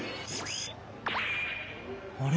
あれ？